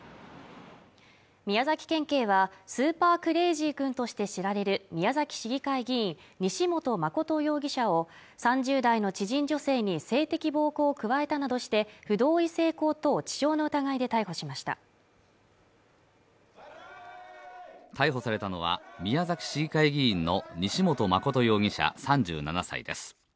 宮崎県警はスーパークレイジー君として知られる宮崎市議会議員西本誠容疑者を３０代の知人女性に性的暴行を加えたなどして不同意性交等致傷の疑いで逮捕しました逮捕されたのは宮崎市議会議員の西本誠容疑者３７歳です